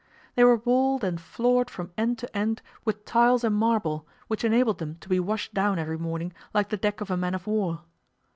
They were walled and floored from end to end with tiles and marble, which enabled them to be washed down every morning like the deck of a man of war.